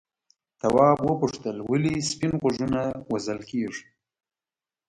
تواب وپوښتل ولې سپین غوږونه وژل کیږي.